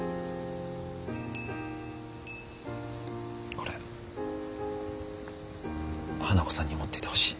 これ花子さんに持っていてほしい。